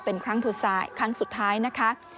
เป็นครั้งสุดท้ายนะคะ